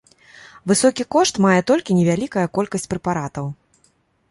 Высокі кошт мае толькі невялікая колькасць прэпаратаў.